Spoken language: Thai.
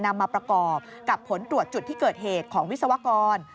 นำมาประกอบกับผลตรวจจุดที่เกิดเหตุของวิศวกร